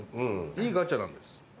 いいガチャなんです。